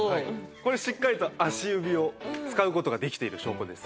これしっかりと足指を使う事ができている証拠です。